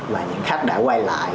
và những khách đã quay lại